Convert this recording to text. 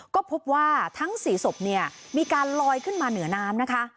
ก็พบว่าทั้ง๔ศพเนี่ยมีการลอยขึ้นมาเหนือน้ำนะคะ